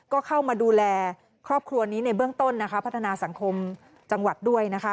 ก็เข้ามาดูแลครอบครัวนี้ในเบื้องต้นนะคะพัฒนาสังคมจังหวัดด้วยนะคะ